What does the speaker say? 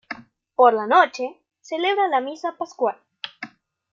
Por la noche, celebra la Misa Pascual.